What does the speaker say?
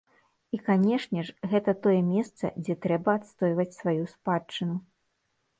І, канешне ж, гэта тое месца, дзе трэба адстойваць сваю спадчыну.